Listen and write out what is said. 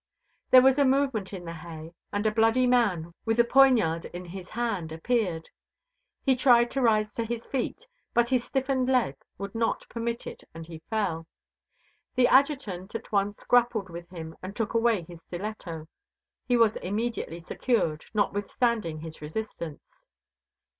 There was a movement in the hay, and a bloody man with a poignard in his hand appeared. He tried to rise to his feet, but his stiffened leg would not permit it and he fell. The Adjutant at once grappled with him and took away his stiletto. He was immediately secured, notwithstanding his resistance.